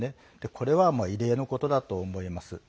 これは、異例のことだと思います。